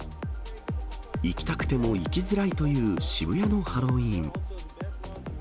行きたくても行きづらいという渋谷のハロウィーン。